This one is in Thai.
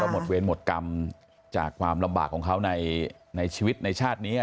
หมดเวรหมดกรรมจากความลำบากของเขาในชีวิตในชาตินี้